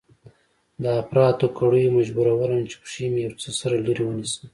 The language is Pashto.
د اپراتو کړيو مجبورولم چې پښې مې يو څه سره لرې ونيسم.